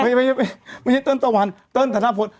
ไม่ไม่ใช่เติ้ลตะวันเติ้ลธนาปน